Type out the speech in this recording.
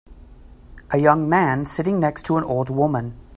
A young man sitting next to an old woman.